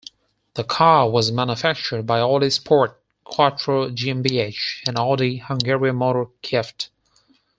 The car was manufactured by Audi Sport, quattro GmbH, and Audi Hungaria Motor Kft.